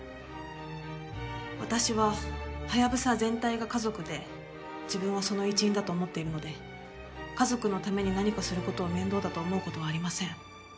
私はハヤブサ全体が家族で自分はその一員だと思っているので家族のために何かする事を面倒だと思う事はありません。